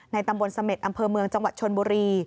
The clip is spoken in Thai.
ตำบลเสม็ดอำเภอเมืองจังหวัดชนบุรี